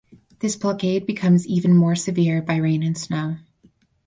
This blockade becomes even more severe by rain and snow.